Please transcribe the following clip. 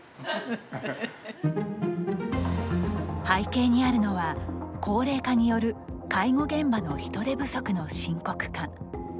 背景にあるのは高齢化による介護現場の人手不足の深刻化。